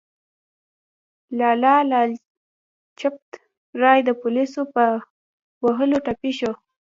لالا لاجپت رای د پولیسو په وهلو ټپي شو.